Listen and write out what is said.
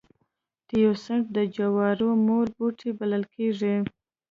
تیوسینټ د جوارو مور بوټی بلل کېږي